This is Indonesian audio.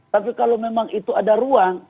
tapi kalau memang itu ada ruang